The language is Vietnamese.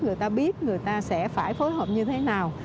người ta biết người ta sẽ phải phối hợp như thế nào